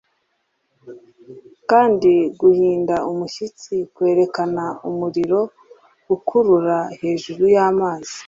Kandi guhinda umushyitsi kwerekana umuriro ukurura hejuru yamazi